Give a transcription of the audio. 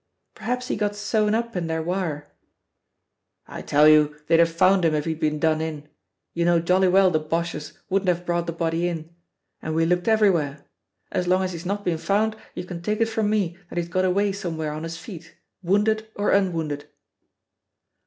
"Perhaps he got sewn up in their wire." "I tell you they'd have found him if he'd been done in; you know jolly well the Boches wouldn't have brought the body in. And we looked everywhere. As long as he's not been found you can take it from me that he's got away somewhere on his feet, wounded or unwounded."